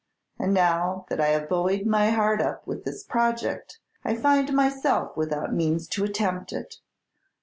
And now that I have buoyed my heart up with this project, I find myself without means to attempt it.